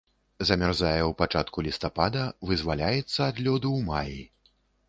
Замярзае ў пачатку лістапада, вызваляецца ад лёду ў маі.